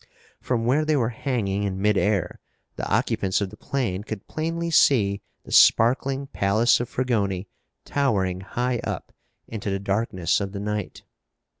From where they were hanging in midair, the occupants of the plane could plainly see the sparkling palace of Fragoni towering high up into the darkness of the night.